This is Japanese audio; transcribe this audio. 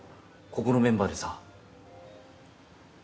ここのメンバーでさ。